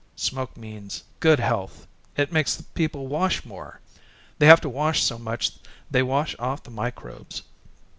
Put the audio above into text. Smoke means good health: it makes the people wash more. They have to wash so much they wash off the microbes.